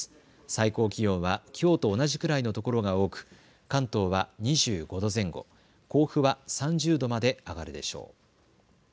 最高気温はきょうと同じくらいの所が多く関東は２５度前後、甲府は３０度まで上がるでしょう。